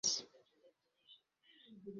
aliuawa katika mapambano ya risasi